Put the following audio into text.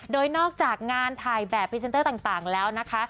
โดยนอกจากงานถ่ายแบบพรีเซนเตอร์ต่างแล้วนะคะ